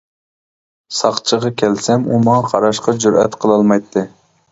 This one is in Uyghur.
ساقچىغا كەلسەم، ئۇ ماڭا قاراشقا جۈرئەت قىلالمايتتى.